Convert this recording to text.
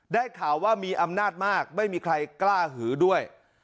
ได้ข่าวว่ามีอำนาจมากไม่มีใครกล้าหือด้วย